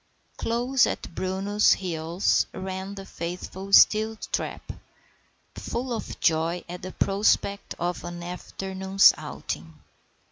Close at Bruno's heels ran the faithful Steeltrap, full of joy at the prospect of an afternoon's outing.